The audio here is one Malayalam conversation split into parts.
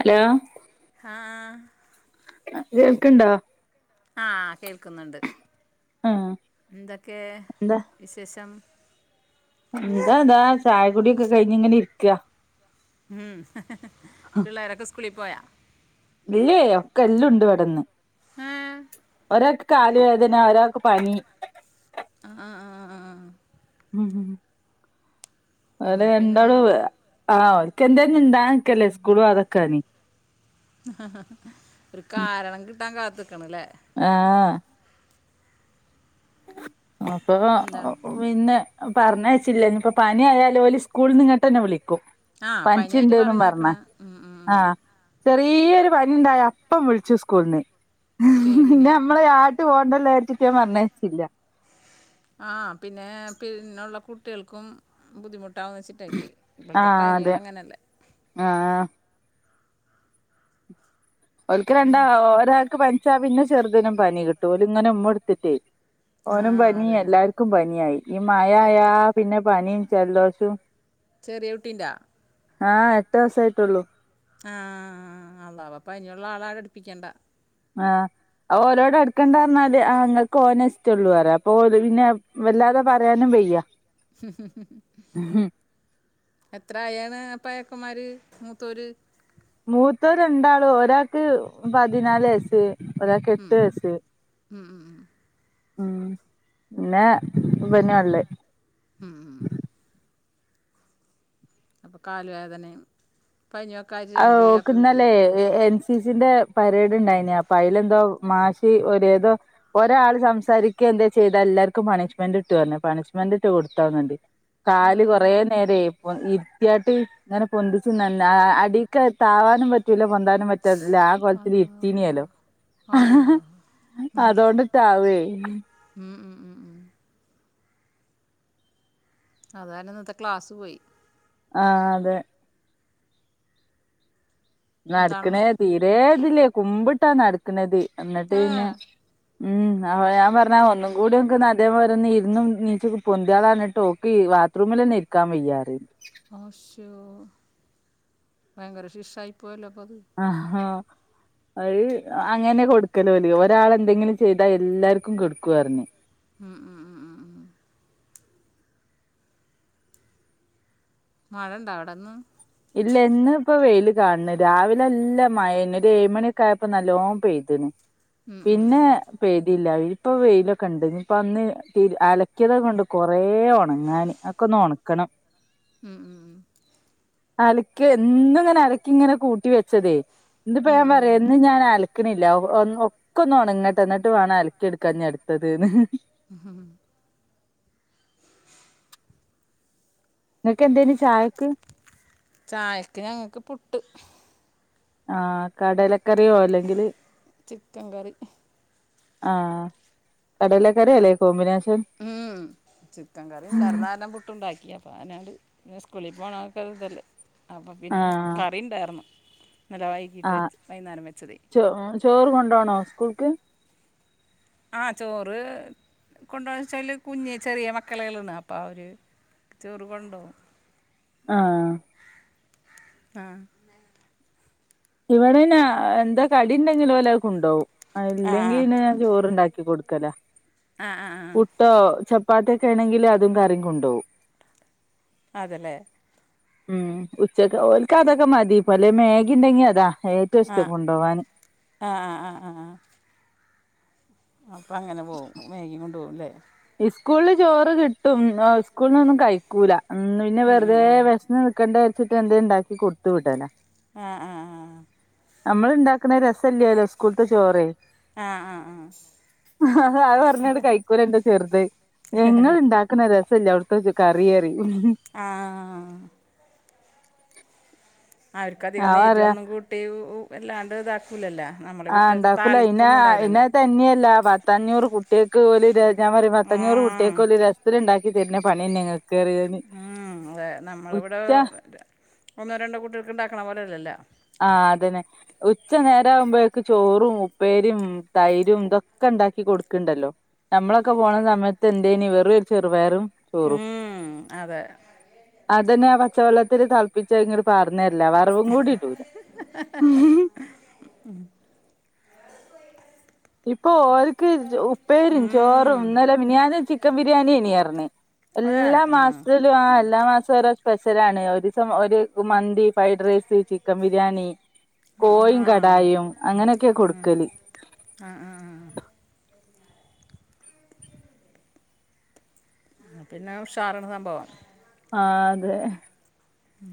ഹലോ ആഹ് കേൾക്ക്ണ്ടോ ആഹ് കേൾക്കുന്നുണ്ട് ആഹ് എന്തൊക്കെ എന്താ വിശേഷം എന്താ ഇതാ. ചായ കുടിയെക്കെ കഴിഞ് ഇങ്ങനെ ഇരിക്ക ഉം പിള്ളേരൊക്കെ സ്കൂളിൽ പോയെ ഇല്ലേയ് ഒക്കെ എല്ലാം ഉണ്ട് ഇവെടെന്ന് ആഹ് ഒരാക്ക് കാലുവേദന ഒരാക്ക് പനി ആഹ് ആഹ് ആഹ് ഉം ഉം ഓല് എന്നാ പിന്നെ രണ്ടാളും ഒന്ന് വേ ആഹ് ഓൽക്ക് എന്തെലെന്നും ഇണ്ടാക്കല്ല സ്കൂള് പോകതൊനിക്കാന് ഒരു കാരണം കിട്ടാൻ കാത്ത് നിക്കണല്ലേ ആഹ് അപ്പൊ എന്താണ് പിന്ന് പറഞ്ഞ് അയച്ചില്ല ഇഞ് ഇപ്പം പനി ആയാലും ഓല് സ്കൂളിൽ ഇങ്ങോട്ട് തന്നെ വിളിക്കും ആ പനിച്ച് പനിയായിട്ട് ഇണ്ട്ന്നും പറഞ്ഞേക്കണ പറഞ് ഉം ഉം ഉം ആഹ് ചെറിയൊരു പനി ഉണ്ടായി അപ്പം വിളിച്ചു സ്കൂളിന് പിന്ന പേടിനെ നമ്മള് ആട്ട് പോകണ്ടല്ല വിചാരിച്ചിട്ട് ഞാൻ പറഞ്ഞയച്ചില്ല ആഹ് പിന്നെ പിന്ന ഉള്ള കുട്ടികൾക്കും ബുദ്ധിമുട്ട് മുട്ടാന്ന് വെച്ചിട്ടേക്ക ആഹ് ഇപ്പോളത്തെപ്പനികൾ അതെ അങ്ങനെയല്ലേ ആഹ് ഓലക്ക് രണ്ടാ പിന്നെ ഒരാൾക്ക് പനിച്ചാ പിന്നെ ചെറുതിനിനും പനി കിട്ടു ഓല് ഇങ്ങനെ ഉമ്മ കെടുത്തിട്ടേ ആ ഓനും പനി അതന്നെ എല്ലാർക്കും പനിയായി ഈ മഴആയാ എത്ര പിന്നെ പനിയും ജലദോഷവും ചെറിയ കുട്ടിന്റാ ആ എട്ട് മാസയായിട്ടെള്ളു ആഹ് അള്ളാവാ പനിയുള്ള ആളാ അടുപ്പിക്കണ്ട ആഹ് ഓരോട് അടുക്കണ്ട പറഞാല് ആഹ് ഇങ്ങക്ക് ഓനെ ഇഷ്ടള്ളു പറേ അപ്പൊ ഓല് പിന്നെ വല്ലാതെ പറയാനും വെയ്യ. എത്ര ആയാണ്, പയക്കമാര് മൂതോര്. മൂത്തോ രണ്ടാള്, ഒരാൾക്ക് പതിനാല് വയസ്സ്. ഒരാൾക്ക് എട്ടു വയസ്സ്. ഉം, പിന്നെ ഇപന ള്ളെ? ഉം, ഉം അപ്പ കാലുവേദനയും പനിയൊക്ക ആയിട്ട് രണ്ടുപേരും അപ്പം വീട്ടിലുണ്ട്. എ എൻ സി സിന്റെ പരേഡ് ഉണ്ടായിന് അപ്പൊ അതില എന്തോ മാഷ് ഒരതോ ഒരാൾ സംസാരിക എന്താ ചെയ്താ, എല്ലാർക്കും പണിഷ് മെന്റ് കിട്ടും, പണിഷ് മെന്റ് കൊടുത്താ തോന്നുന്നു ണ്ട്. ആ കാല് കുറ നേര ഇപ്പൊ ഇരുത്തിയാട്ട് ഇങ്ങനെ പൊന്തിച്ച് നന്ന അടി ക്ക്, താവാനും പറ്റൂല, പൊന്താനും പറ്റൂ ല്ല. ആഹ്, കൊലത്തില് ഇരുത്തീന അള്ളാഹ് ല്ലോ? അള്ളാഹ് ഉം. അതോണ്ട് റ്റാ വേ? ഉം ഉം ഉം ഉം അത ഇന്നത്തെ ക്ലാസ്സ് പോയി. ആഹ്, അതെ നടക്കണ എന്താണ് തീരെ ഇതില്ലേ? കുമ്പിട്ടാ നടക്കണത്, എന്നിട്ട് ഏ പിന്നെ ഉം, അപ്പൊ ഞാൻ പറഞ് ഒന്നും കൂടി ഒക്ക അതെ പോലെ ഇരുന്നും എനിറ്റും ഒക്കെ ഒന്ന് പൊന്തിക്കള് എന്ന് പറഞ്ഞിട്ടും, അവൾ ക്ക് വാ ത്രൂമിൽ ഒന്നും ഇരിക്കാൻ വയ്യ എന്ന് പറയുണ്ട്. ഓ, ശോ, ഭയങ്കര ശിക്ഷ ആയി പോയല്ലോ? പ്പത്. ആ ഹോ അഹ് അങ്ങനെ കൊടുക്കല് ഓല്, ഒരാൾ എന്തെങ്കിലും ചെയ്താ എല്ലാർക്കും കൊടുക്കു പറഞ്. ഉം ഉം ഉം ഉം. മഴ ഉണ്ടാ? അവിടെ ന്ന്. ഇല്ല, ഇന്ന് ഇപ്പ വെയില് കാണത്. രാവിലെ നല്ല മഴ ന്ന് ഒരു ഏഴുമണി ഒ ക്കെ ആയപ്പോ നല്ലോണം പെയ്തിന്. ഉം, ഉം, പിന്നെ ഉം. പേതില്ല ഇപ്പോ വെയിലൊക്കണ്ട്. ഇനി ഇപ്പ ഇന്ന് തി അലക്കിയത് ഒക്കെണ്ട് കുറേ ഉണങ്ങാൻ. അ ഒക്കന്ന് ഒണക്കണം. ഉം ഉം അലക്കി എന്നും ഇങ്ങനെ അലക്കി ഇങ്ങനെ കൂട്ടി വെച്ചതേ? ഇന്ന്പ്പ ഉം, ഞാൻ ഉം. പറയാ ന്ന് ഞാൻ അല ണ്ല്ല ഒക്കെ ഒന്ന് ഓണങ്ങട്ടെ, എന്നിട്ട് വേണം അലക്കി എടുക്കാ ഞ്ഞി അടുത്തത്. ന്ന് [inaudible] ഇങ്ങക്കേന്തേന് ചായക്ക്. ചായക്ക് ഞങ്ങൾക്ക് പുട്ട്. ആഹ്, കടലക്കറിയോ അല്ലെങ്കില് ചിക്കൻ കറി. ആഹ്, കടയിലക്കറിയല്ലേ കോമ്പിനേഷൻ. ഉം, ചിക്കൻ കറി ഉണ്ടായിരുന്ന കാരണം പുട്ട് ഉണ്ടാക്കിയ. [unintelligible] സ്കൂളിൽ പോകണ ആൾക്കാർ ഇതല്ലേ? അപ്പോം പിന്നെ ആഹ് കറി ഉണ്ടായിരുന്നു. ഇന്നലെ വൈകിട്ട് ആഹ് വെച്ച്, വൈുന്നേരം വെച്ചത്. ചോ, ആഹ്, ചോറ് കൊണ്ടോണോ? സ്കൂൾക്ക്. ആഹ്, ചോറ് കൊണ്ടുവാച്ചാല്, കുഞ്ഞു ചെറിയ മക്കള കളാണ് അപ്പം അവര്. ചോറ് കൊണ്ടോവും. ആഹ് ആഹ് ഇവിടെ യിന്നെ എന്താ കടി ഉണ്ടെങ്കിൽ ഓല് അത് കൊണ്ടോവും. ആ ഇല്ലെങ്കി പിന്നെഞാൻ ചോറ്ണ്ടാക്കി കൊടുക്കലാ ആ ആ ആ പു പുട്ടോ ചപ്പാത്തിയൊക്കേ ണെങ്കില് അതും കറിം കൊണ്ടോവും അതെ എല്ലേ ഉം ഉച്ചക്ക് ഓൽക്കതൊക്കെ മതി പലേ മേഗി ഉണ്ടെങ്കി അതാ ഏറ്റവും ഇഷ്ടം കൊണ്ടോവാന് ആഹ ആഹ് ആഹ് ആഹ് ആഹ് അപ്പ അങ്ങനെ പോവും മേഗിയും കൊണ്ട് പോവും അല്ലേ ഇസ്കൂള്ന്ന് ചോറ് കിട്ടും അ സ്കൂൾന്ന് ഒന്നും കഴിക്കൂല ഉം പിന്നെ വെറുതെ വെഷന്ന് നി ക്കണ്ട വിചാരിച്ചിട്ട് എന്തേം ഉണ്ടാക്കി കൊടുത്തു വിടലാ ആഹ് ആഹ് ആഹ് ആഹ് നമ്മള് ഇണ്ടാക്ക്ണ രസല്ലേ ലോ സ്കൂള്ത്തെ ചോറ് ആഹ് ആഹ് അത് പറഞ്ഞ്ങ്ങാണ്ട് കൈക്കൂല ഇന്റെ ചെറുത് ഇങ്ങള് ഇണ്ടാ ക്ക്ണ രസം ഇല്ല്യ അവ്ട്ത്തെ ചി കറിന്നറിയും ഉം ഉം ആഹ് ആഹ് ആഹ് ഞാൻ അവർക്കധികൊന്നും പറയാ എരുന്നും കൂട്ടി വല്ലാണ്ട് ഇതാക്കൂലല്ലാ നമ്മ ആഹ് ഉണ്ടാക്കൂല പിന്നെ ആഹ് പിന്നെ അത് തന്നെയല്ല ബ പത്തഞ്ഞൂറ് കുട്ട്യേൾക്ക് ഓല് ര ഞാൻ പറയും പത്തഞ്ഞൂറ് ഉം കുട്ട്യേൾക്ക് ഓല് രസത്തില് ഇണ്ടാക്കി പിന്നെ പണിയന്നേണ് പറയും ഞാന് ആ അതെ നമ്മളെവടെ ഉച്ച ഒന്നോ രണ്ടോ കുട്ടികൾക്ക് ഉണ്ടാക്ക്ണ പോലെഅല്ലല്ലാ ആഹ് അതന്നെ ഉച്ച നേരാവുമ്പോഴേക്ക് ചോറും ഉപ്പേരിയും തൈരും ഇതൊക്കെ ഉണ്ടാക്കി കൊടുക്ക്ണ്ടല്ലോ നമ്മളൊക്കെ പോണ സമയത്ത് എന്തേനി വെറും ഒരു ചെറുപയറും ചോറും ഉം അതെ അതന്നെ ആ പച്ചവെള്ളത്തില് തെൾ പ്പിച്ചത് ഇങ്ങട് പാർന്ന് തരലാ വറവും കൂടി ഇടൂല [unintelligible] ഹ് ഹ് ഹ ഹ ഹ ഇപ്പൊ ഓല്ക്ക് ചോ ഉപ്പേരിം ഉം ചോറും ഇന്നലെ മിനിയാന്ന് ചിക്കൻ ബിരിയാണിയേഴ്ന്ന് പറഞ്ഞു അതെ എല്ലാ ആഹ് മാസത്തിലും ആ എല്ലാ മാസവും ഓരോ സ്പെഷ്യലാണ് ഒരു ദിവസം ഒരു മന്തി ഫ്രൈഡ് റൈസ് ചിക്കൻ ബിരിയാണി കോഴിം ആഹ് കടായിയും അങ്ങനെയൊക്കെയാ കൊടുക്കല് ആഹ് ആഹ് ആഹ് ആഹ് പിന്നെ ഉഷാറണ് സംഭവം ആ അതെ ഉം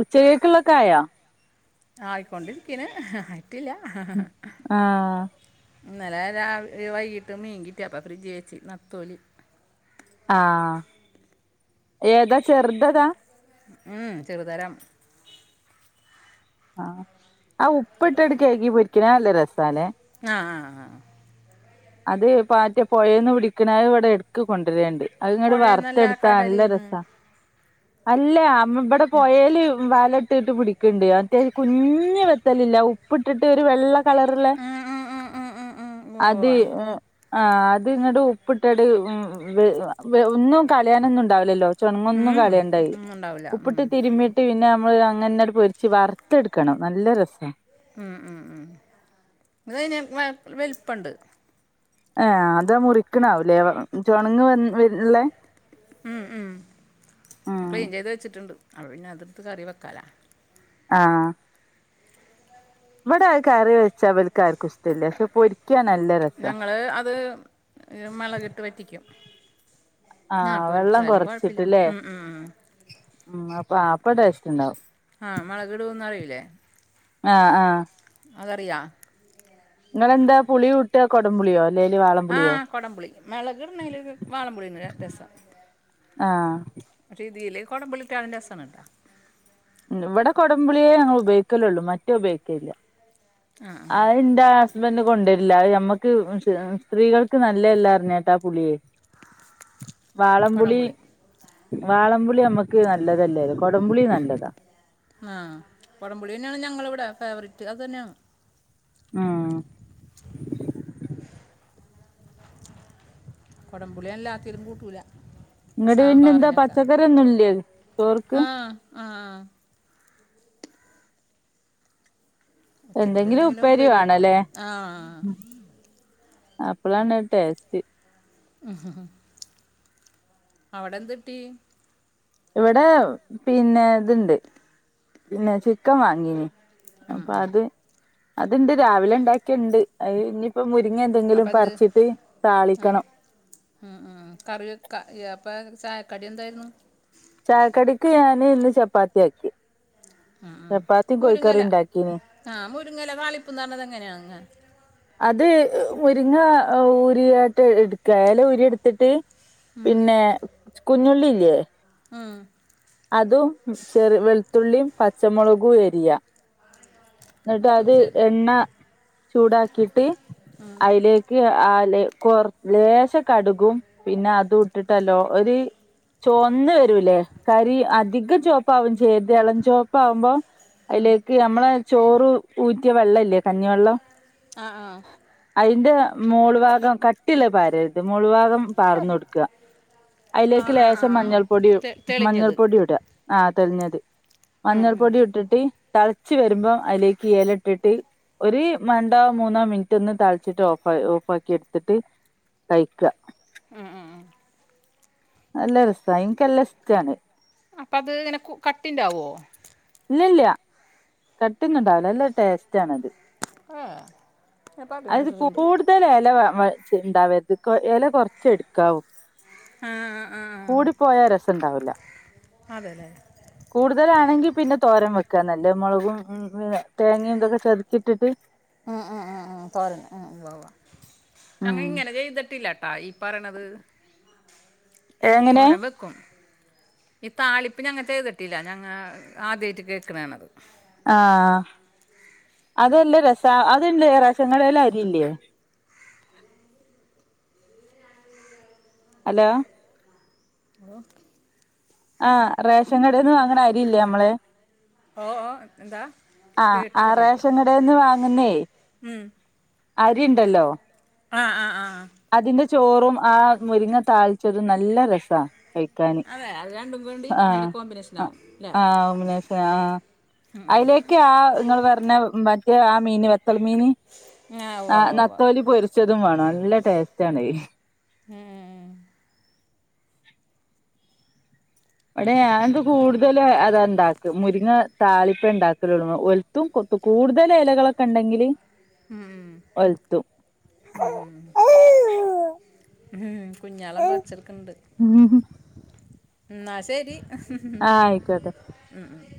ഉച്ചക്കെയ്ക്കുള്ളതൊക്കെ ആയോ ആയിക്കൊണ്ടിരിക്കിണ് ആയിട്ടില്ല്യ ആഹ് ഇന്നലെ രാവി വൈകിട്ടും മീൻകിട്ടി അപ്പം ഫ്രിഡ്ജ് വെച്ച് നത്തോലി ആഹ് ഏതാ ചെറുത് ഏതാ ഉം ചെറു തരം ആഹ് ആ ഉപ്പ് അപ്പം ഇട്ടിട്ട് കഴുകി പൊരിക്ക്ണ അത് നല്ല രസാലെ ആഹ് ആഹ് ആഹ് ആഹ് അത് പാറ്റ്യ പൊഴേന്ന് പിടിക്ക്ണെ അത് ഇവിടെ എടുക്ക് കൊണ്ട് വരലുണ്ട് അത് ഇങ്ങട് പുഴയെന്നല്ല വറുത്തെടുത്താ നല്ല കടലിൽ നിന്ന് രസാ അല്ലെ അമ്മ ഇവടെ പൊഴേല്‌ വല ഇട്ടിട്ട് പുടിക്ക്ണ്ട് അത്യാവ്ശ്യ കുഞ്ഞ് വെത്തലില്ലെ ഉപ്പ് ഇട്ടിട്ട് ഒരു വെള്ള കളറ്ള്ളേ ഉവ്വ അത് ഉവ്വ ഉം ആ അത് ഇങ്ങട് ഉപ്പ് ഇട്ടട് ഉം ഉം ഒന്നും കളയാനൊന്നും ഉണ്ടാവില്ലല്ലോ ചുണങ്ങൊന്നും ഉം, കളയണ്ടായി ഉം, ഉണ്ടാവില്ല ഉപ്പിട്ട് ഉം, തിരുമിട്ട് പിന്നെ നമ്മള് അങ്ങനെ അടു പൊരിച്ച് വറുത്തെടുക്കണം നല്ല രസമാ മം ഉം ഉ ഇത്തി വലിപ്പമുണ്ട് ഏ അതാ മുറിക്കണാവൂലേ ചുണങ്ങ് വല്ലെ ഉം ഉം ഉം ക്ലീൻ ചെയ്ത് വെച്ചിട്ടുണ്ട് അപ്പപിന്നെ അതെടുത്ത് കറി വെക്കാലാ ആഹ ഇവിടെ അത്കറി വെച്ച ഇവർക്ക ആർക്ക ഇഷ്ടമല്ല പൊരിക്ക രിക്ക നല്ലരസ ഞങ്ങള് അത് മളകിട്ട് വറ്റിക്കും ആഹ ആഹ് പൊരിച്ചാലും കൊഴപ്പില്ല ഉ ഉം ഉ ഉ അപ്പ അപ്പ ടേസ്റ്റുണ്ടാവും ആഹ മുളകിടുന്നറിയില്ലേ ആഹ ആഹ അതറിയാവോ നിങ്ങളെന്താ പുളി കൂട്ട കുടംപുളിയോ അല്ലേലും ആള് ആ കുടംപുളി മുളകിടുന്നതിൽ വാളംപുളി രസം ആഹ പക്ഷെ ഇതില കുടമ്പുളിട്ടാലും രസാനുട്ടാ ഇവിടെ കൊടംപുളിയേ ഞങ്ങൾ ഉപയോഗിക്കലള്ളൂ മറ്റേ ഉപയോഗിക്കല്ല അതിന്താ ബന് കൊണ്ടുവരില്ല മ്മക്ക് സ്ത്രീകൾക്ക് നല്ലല്ല അറിഞ്ഞേട്ടാ ആ പുളിയെ വാളംപുളി കുടംപുളി വാളംപുളി നമ്മക്ക് നല്ലതല്ലോലും കൊടംപുളി നല്ലതാ ആ കുടംപൊളി തന്നെയാണ് ഞങ്ങളവിടെ ഫേവററ്റ് അത് തന്നെയാണ് ആഹ കൊടംമ്പുളല്ലാത്തിതിരും കൂട്ടൂല നിങ്ങുടെ പിന്നെന്താ സാമ്പാറിനൊക്കെ പച്ചക്കറിന്നുംല്ല ചോർക്ക് ആഹ പച്ചക്കറി എന്തെങ്കിലും ഉപ്പേരി വെക്കും വേണല്ലേ ആ അപ്പളാണ് ടേസ്റ്റ് ഉ അവിടെന്ത് കിട്ടി ഇവിടെ പിന്നെ ഇതുണ്ട് പിന്നെ ചിക്കൻ വാങ്ങീന് ഉം, അപ്പൊ ഉം. അത് അത്ണ്ട് രാവിലെ ഉണ്ടാക്കിയുണ്ട് അഹ് ഇനിയിപ്പോ മുരിങ്ങ എന്തെങ്കിലും അപ്പം എന്ത് പറിച്ചിട്ട് താളികണം അഹ് കറി വെക്ക അപ്പം ചായക്കടി എന്തായിരുന്നു ചായക്കടിക്ക് ഞാന് ഇന്ന് ചപ്പാത്തിയാക്കി അഹ് അഹ് മുരുങ്ങല ഉണ്ടാക്കീന് അഹ് മുരങ്ങല തളിപന്ന് പറഞ്ഞ എങ്ങനെയാണ് അത് മുരിങ്ങ ഉരിയായിട്ട് എടുക്ക ഇല ഉരി എടുത്തിട്ട് ഉം, പിന്നെ കുഞ്ഞുള്ളില്ലേ ഉം അതും ചെറു വെളുത്തുള്ളിയും പച്ചമുളകും എരിയാ എന്നിട്ട് ചോ- അത് ചെ- എണ്ണ ചൂടാക്കിയിട്ട് അയിലെ ക്ക് അലെ കോർ ലേശ കടുകും പിന്നെ അത് ഇട്ടിട്ടല്ലോ ഒരു ചുവന്ന് വരൂല്ലേ കരി അധിക ചുവപ്പ ആവും ചെയരുത് ഇളം ചുവപ്പആവുമ്പോ ആയിലേക്ക് നമ്മളെ ചോറ് ഊറ്റിയ വെള്ളല്ലേ കഞ്ഞിവെള്ളം ആഹ അയിന്റെ മോള് ഭാഗം, കട്ടില്ലേ പാരരുത്, മോള് ഭാഗം പാർന്ന് കൊടുക്ക. ആ അതിലേക്ക് ആ ആ ലേശം ആ. മഞ്ഞൾപ്പൊടി തെ- തെളിഞ്ഞത് മഞ്ഞൾപ്പൊടി ഇട. ആഹ്. [unintelligible] അത് ആ ആ മഞ്ഞൾ പൊടി ഇട്ടിട്ട് തളച്ചു വരുമ്പം അയിലേക്ക് ഇല ഇട്ടിട്ട് ഒരു രണ്ടോ മൂന്നോ മിനിറ്റ് ഒന്ന് തളച്ചിട്ട് ഓഫ ഓഫക്കി എടുത്തിട്ട് കയ്ക്ക. മ് മ് നല്ല രസാ. എനിക്ക് നല്ല ഇഷ്ട്ടാണ്. അപ്പ അത് അങ്ങനെ കട്ടിണ്ടാവോ? ഇല്ലല്ല കട്ടി ഒന്നുണ്ടാവൂല. നല്ല ടേസ്റ്റ് ആണത്. ഏഹ്. ഞാൻ പരിണെ അത് കേട്ടിട്ടുണ്ട്. കൂടുതൽ ഇല വാ ഉണ്ടാവരുത്. ഇല കുറച്ച് എടുക്കാവു. ആഹ് ആഹ് കൂടി പോയ രസുണ്ടാവില്ല. അതെല്ലേ കൂടുതലാണെങ്കി പിന്നെ തോരൻ വെക്കാ നല്ലെ. മുളകും, തേങ്ങയും ഇതൊക്കെ ചതക്കി ഇട്ടിട്ട്. ഉം ഉം ഉം ഉ തോരന്. ഏഹ് ഉവ്വ ഞങ്ങ ഉം ഇങ്ങനെ ചെയ്തിട്ടില്ലട്ടാ, ഈ പറയണത്. എങ്ങനെ തോരൻ വെക്കും. ഈ താളിപ്പ് ഞങ്ങ ചെയ്‌തിട്ടില്ല. ഞങ്ങൾ ആദ്യയിട്ട് കേൾക്കണെ ആണത്. അഹ് അതെല്ല രസ. അതന്നെ റേഷൻ കടലേ അരിയില്ലേ. ഹലോ. ഹോ. ആഹ്. റേഷൻ കടേന്ന് വാങ്ങണ അരി ഇല്ലേ നമ്മള്. ഓ ഓ എന്താ? അഹ് കേട്ടില്ല അഹ്. റേഷൻ കടേന്ന് വാങ്ങുന്നേ ഹ്മ്മ്. അരി ഉണ്ടല്ലോ. അഹ് അഹ് അഹ്. അതിന്റെ ചോറും ആ മുരിങ്ങ താളിച്ചതും നല്ല രസാ. കഴിക്കാന് അതെ. അത് രണ്ടും കൂടി ഉണ്ടേ ആഹ് നല്ല ആഹ് കോമ്പിനേഷനാവും അല്ലേ. ആഹ് ഉം. മം ഇക്ക് അഹ് നിങ്ങൾ പറഞ്ഞ മറ്റേ ആ മീന് നത്തൾ മീന്, ആഹ് ഉവ്വ ആ ഉവ്വ ഉവ്വ നത്തോലി പോ രിച്ചതും വേണം നല്ല ടേസ്റ്റാണ്. ഏ ഇവിടെ ഞാനോക്കെ കൂടുതൽ അതാ ഇണ്ടാക്ക മുരിങ്ങ താളിപ്പെ ഉണ്ടാക്കലള്ളൂ. ഒലുത്തും കോ കൂടുതൽ ഇലകളൊക്കെ ഉണ്ടെങ്കിൽ ഒലത്തും. ഹ്മ്മ് ഹ്മ്മ് കുഞ്ഞാള് എന്തോ ഓച്ചടുക്കണ്ട്. എന്നാ ശെരി. ആഹ് ആയിക്കോട്ടെ ഉം ഉം.